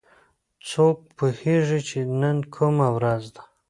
څوک پوهیږي چې نن کومه ورځ ده